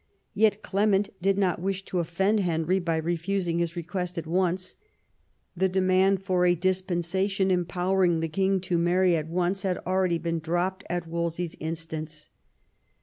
Yet Clement did not wish to ofiend Henry by refusing his request at once. The demand for a dispensation empowering the king to marry at once had already been dropped at Wolsey's instance.